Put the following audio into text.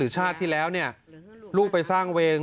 นี่แหละครับ